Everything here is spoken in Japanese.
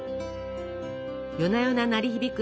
夜な夜な鳴り響く